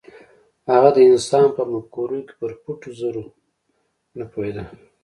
هغه د انسان په مفکورو کې پر پټو زرو نه پوهېده.